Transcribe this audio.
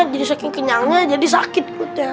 jadi saking kenyangnya jadi sakit perutnya